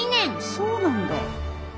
そうなんだ。